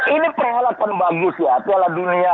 ini peralatan bagus ya